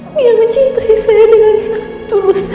dia mencintai saya dengan sangat